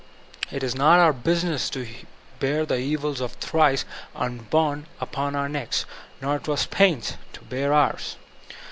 It is not our business to bear the evils of the thrice unborn upon our necks ; nor was it Paine's to bear ours.